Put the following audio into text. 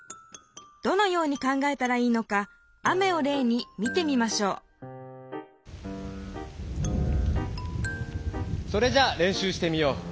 どのように考えたらいいのか「雨」をれいに見てみましょうそれじゃあれんしゅうしてみよう。